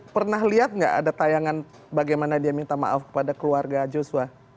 pernah lihat nggak ada tayangan bagaimana dia minta maaf kepada keluarga joshua